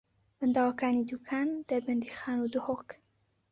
بەنداوەکانی دووکان، دەربەندیخان و دهۆک